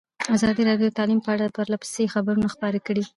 ازادي راډیو د تعلیم په اړه پرله پسې خبرونه خپاره کړي.